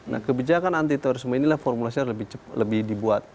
nah kebijakan anti terorisme inilah formulasinya lebih dibuat